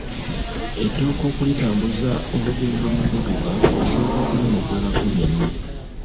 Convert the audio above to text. Etooke okulitambuza olugendo mu mmotoka osooka kulimogolako minwe.